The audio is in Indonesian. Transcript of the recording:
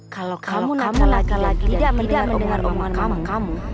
kalau kamu nakal lagi dan tidak mendengar omongan kamu